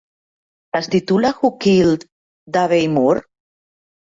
Es titula Who Killed Davey Moore?